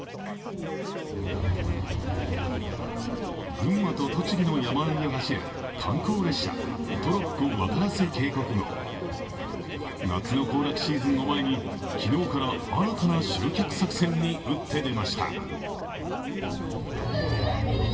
群馬と栃木の山あいを走る観光列車、トロッコわたらせ渓谷号夏の行楽シーズンを前に昨日から新たな集客作戦に打って出ました。